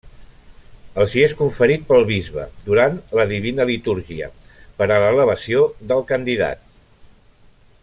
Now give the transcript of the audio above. Els hi és conferit pel bisbe durant la Divina Litúrgia per a l'elevació del candidat.